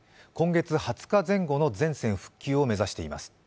今月２０日前後の全線復旧を目指しています。